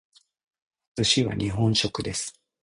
寿司は日本食です。